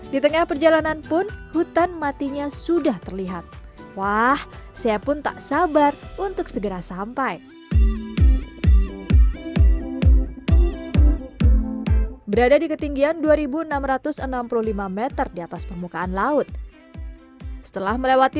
di tengah perjalanan pun hutan matinya sudah terlihat wah saya pun tak sabar untuk segera sampai